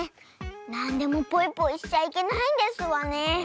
なんでもポイポイしちゃいけないんですわね。